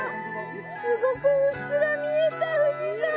すごくうっすら見えた富士山！